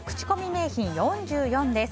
名品４４」です。